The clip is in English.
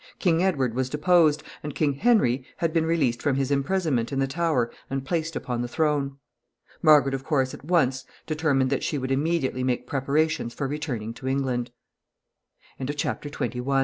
King Edward was deposed, and King Henry had been released from his imprisonment in the Tower and placed upon the throne. Margaret, of course, at once determined that she would immediately make preparations for returning to En